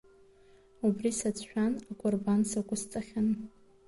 Убри сацәшәан, акәырбан сықәысҵахьан.